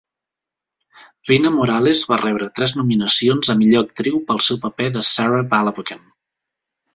Vina Morales va rebre tres nominacions a millor actriu pel seu paper de Sarah Balabagan.